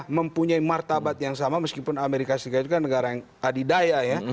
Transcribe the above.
mempunyai martabat yang sama meskipun amerika serikat itu kan negara yang adidaya ya